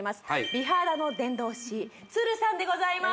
美肌の伝道師さんでございます